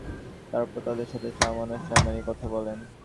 তারপর তাদের সাথে সামনা-সামনি কথা বলেন।